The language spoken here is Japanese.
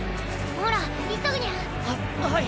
ほら急ぐニャ。ははい。